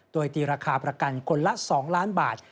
โดยตีราคาประกันคนละ๒ล้านบาท